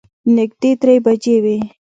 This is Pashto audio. نږدې درې بجې وې.